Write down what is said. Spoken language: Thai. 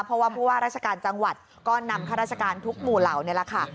เพราะว่าผู้ว่าราชการจังหวัดก็นำข้าราชการทุกหมู่เหล่านี่แหละค่ะ